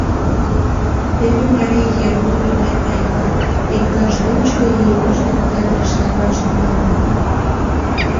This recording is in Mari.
Теве Марий Ернур Янаеват иктаж лучко ий ожнак театрыште мураш тӱҥалын.